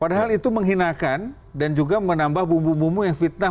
padahal itu menghinakan dan juga menambah bumbu bumbu yang fitnah